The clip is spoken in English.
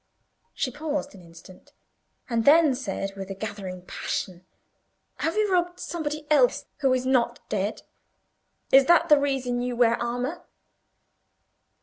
She paused an instant, and then said, with gathered passion, "Have you robbed somebody else, who is not dead? Is that the reason you wear armour?"